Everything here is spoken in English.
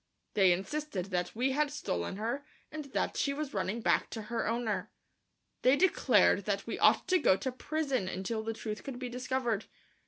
They insisted that we had stolen her and that she was running back to her owner. They declared that we ought to go to prison until the truth could be discovered.